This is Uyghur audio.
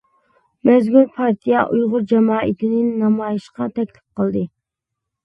مەزكۇر پارتىيە ئۇيغۇر جامائىتىنى نامايىشقا تەكلىپ قىلدى.